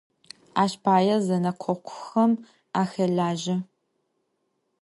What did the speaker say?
Aş paê zenekhokhuxem axelaje.